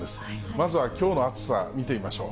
まずはきょうの暑さ、見てみましょう。